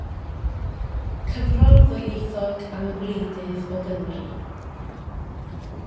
Cyfrol ddwyieithog am y gwleidydd o Gymru.